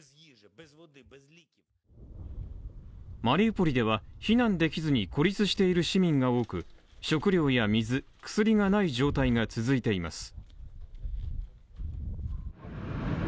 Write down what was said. マリウポリでは避難できずに孤立している市民が多く、食料や水、薬がない状態が続いています。